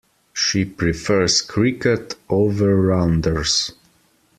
She prefers cricket over rounders.